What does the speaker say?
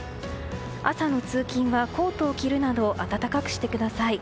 朝の通勤はコートを着るなど暖かくしてください。